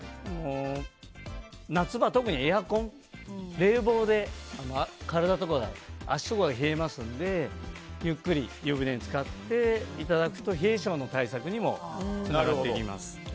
夏場は特にエアコン、冷房で体とか、足とかが冷えますので、ゆっくり湯船につかっていただくと冷え性の対策にもつながってきます。